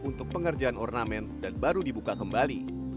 untuk pengerjaan ornamen dan baru dibuka kembali